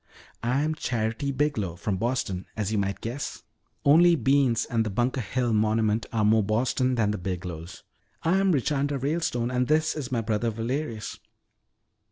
I am Charity Biglow, from Boston as you might guess. Only beans and the Bunker Hill Monument are more Boston than the Biglows." "I'm Richanda Ralestone and this is my brother Valerius."